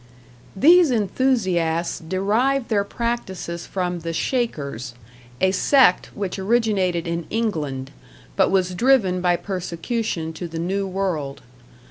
These enthusiasts derive their practices from the Shakers, a sect which originated in England, but was driven by persecution to the New World.